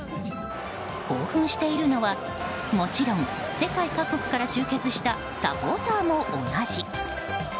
興奮しているのは、もちろん世界各国から集結したサポーターも同じ。